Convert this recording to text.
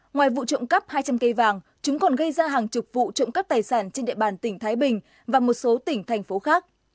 ngoài vụ trộm cắp hai trăm linh cây vàng chúng còn gây ra hàng chục vụ trộm cắp tài sản trên địa bàn tỉnh thái bình và một số tỉnh thành phố khác